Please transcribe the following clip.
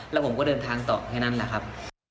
แล้วผมก็เดินทางต่อแค่นั้นแหละครับ